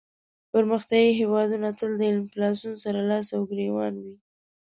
پرمختیایې هېوادونه تل له انفلاسیون سره لاس او ګریوان وي.